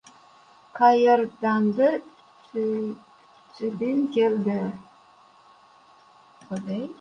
Qayerdandir chibin keldi. G‘uj-g‘uj bo‘ldi.